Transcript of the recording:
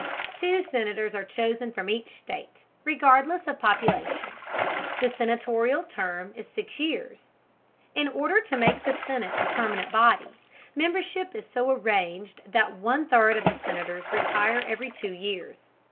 Two Senators are chosen from each state, regardless of population. The senatorial term is six years. In order to make the Senate a permanent body, membership is so arranged that one third of the Senators retire every two years.